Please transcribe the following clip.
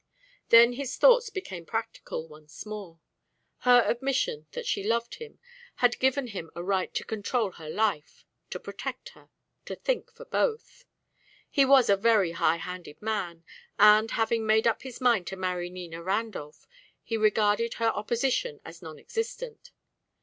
Then his thoughts became practical once more. Her admission that she loved him had given him a right to control her life, to protect her, to think for both. He was a very high handed man, and, having made up his mind to marry Nina Randolph, he regarded her opposition as non existent.